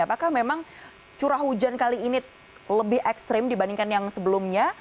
apakah memang curah hujan kali ini lebih ekstrim dibandingkan yang sebelumnya